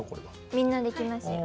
みんなできますよ。